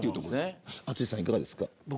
淳さん、いかがですか。